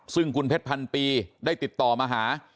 ซึ่งคุณเพชรพันปีได้ติดต่อมาหา